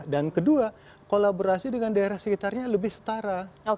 dan kedua kolaborasi dengan daerah sekitarnya lebih setara